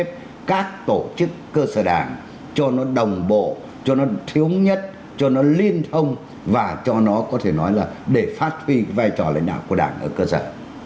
tổ chức các tổ chức cơ sở đảng cho nó đồng bộ cho nó thiếu nhất cho nó liên thông và cho nó có thể nói là để phát huy vai trò lãnh đạo của đảng ở cơ sở